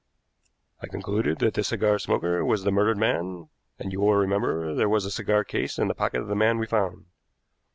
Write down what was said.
I concluded that the cigar smoker was the murdered man, and you will remember there was a cigar case in the pocket of the man we found.